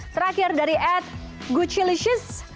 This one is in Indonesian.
terakhir dari ad gucilicious